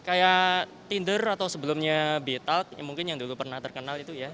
kayak tinder atau sebelumnya betalk mungkin yang dulu pernah terkenal itu ya